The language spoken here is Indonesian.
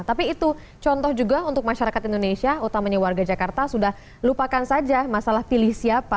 tapi itu contoh juga untuk masyarakat indonesia utamanya warga jakarta sudah lupakan saja masalah pilih siapa